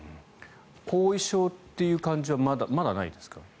後遺症という感じはまだないですか？